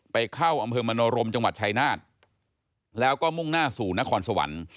ไปเข้าอำเภอมโนรมจังหวัดชายนาฏแล้วก็มุ่งหน้าสู่นครสวรรค์